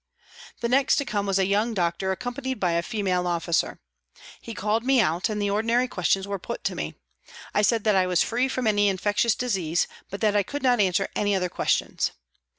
The next to come was a young doctor accom panied by a female officer. He called me out, and the ordinary questions were put to me. I said that I was free from any infectious disease, but that I could not answer any other questions.